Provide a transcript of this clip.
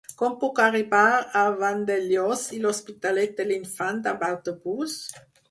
Com puc arribar a Vandellòs i l'Hospitalet de l'Infant amb autobús?